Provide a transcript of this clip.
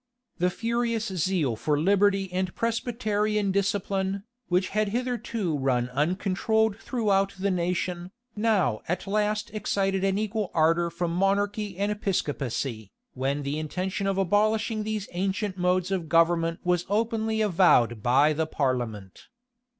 The furious zeal for liberty and Presbyterian discipline, which had hitherto run uncontrolled throughout the nation, now at last excited an equal ardor for monarchy and Episcopacy, when the intention of abolishing these ancient modes of government was openly avowed by the parliament.